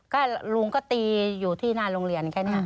ก็ลุงก็ตีอยู่ที่หน้าโรงเรียนแค่นี้